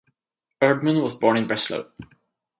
Erdmann was born in Breslau.